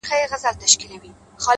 حوصله د ستونزو کلۍ ده,